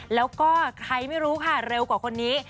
แล้วก็ใครไม่รู้ค่ะเร็วกว่าคนนี้